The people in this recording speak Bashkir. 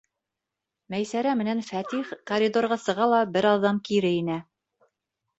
Мәйсәрә менән Фәтих коридорға сыға ла бер аҙҙан кире инә.